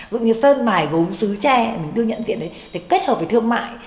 dụng như sơn mải gốm sứ tre mình đưa nhận diện đấy để kết hợp với thương mại